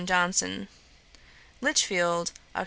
JOHNSON.' 'Lichfield, Oct.